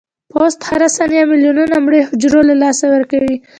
پوست هره ثانیه ملیونونه مړه حجرو له لاسه ورکوي.